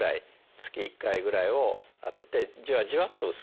月１回ぐらいを当ててじわじわっと薄くする感じですね。